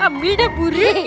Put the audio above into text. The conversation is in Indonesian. ambil dah burung